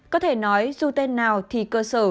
có thể nói dù tên nào thì cơ sở